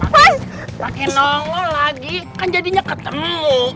pakai nongol lagi kan jadinya ketemu